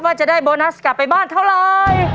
ว่าจะได้โบนัสกลับไปบ้านเท่าไร